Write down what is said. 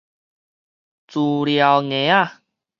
資料挾仔